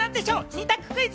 二択クイズ！